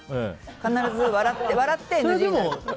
必ず笑って、ＮＧになる。